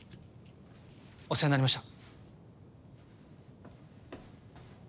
お世話になりました。